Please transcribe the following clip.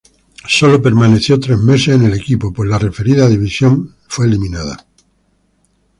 Sólo permaneció tres meses en el equipo, pues la referida división fue eliminada.